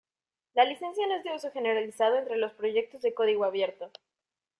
La licencia no es de uso generalizado entre los proyectos de código abierto.